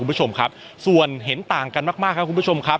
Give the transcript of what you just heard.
คุณผู้ชมครับส่วนเห็นต่างกันมากมากครับคุณผู้ชมครับ